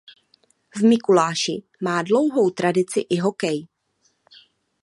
V Mikuláši má dlouhou tradici i hokej.